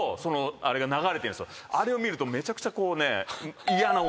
あれを見るとめちゃくちゃ。